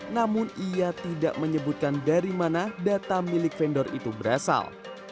namun ia tidak menyebutkan dari mana data milik vendor itu berasal